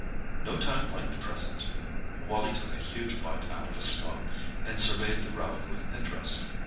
"No time like the present." Wally took a huge bite out of a scone, and surveyed the relic with interest.